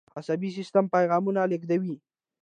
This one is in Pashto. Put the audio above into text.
عصبي سیستم پیغامونه لیږدوي